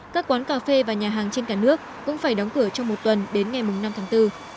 các quán cà phê và nhà hàng trên cả nước cũng phải đóng cửa trong một tuần đến ngày năm tháng bốn